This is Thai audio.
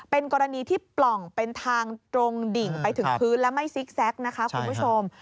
เป็นกรณีที่ปล่องเป็นทางตรงดิ่งไปถึงพื้นและไม่ซิกแซคนะคะคุณผู้ชม